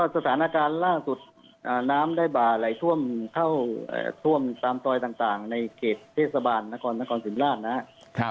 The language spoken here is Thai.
สถานการณ์ล่างสุดน้ำได้บาไหลท่วมตามตรอยต่างในเกษตรเทศบาลนครสินตราชนะครับ